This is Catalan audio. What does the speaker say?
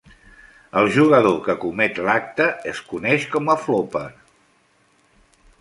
El jugador que comet l'acte es coneix com a flopper.